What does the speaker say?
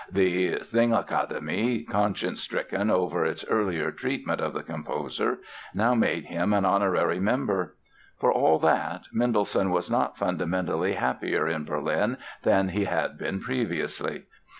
The Singakademie, conscience stricken over its earlier treatment of the composer, now made him an honorary member. For all that, Mendelssohn was not fundamentally happier in Berlin than he had been previously.